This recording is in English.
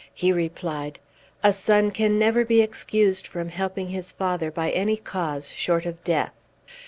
He replied, "A son can never be excused from helping his father by any cause short of death."